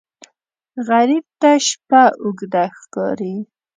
غریب ته شپه اوږده ښکاري